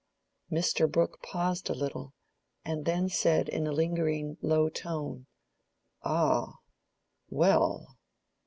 Mr. Brooke paused a little, and then said in a lingering low tone, "Ah? … Well!